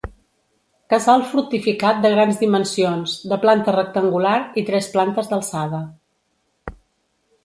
Casal fortificat de grans dimensions, de planta rectangular i tres plantes d'alçada.